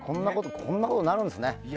こんなことになるんですね。